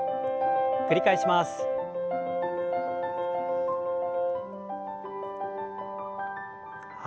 繰り返します。